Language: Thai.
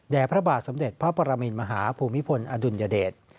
พระบาทสมเด็จพระปรมินมหาภูมิพลอดุลยเดช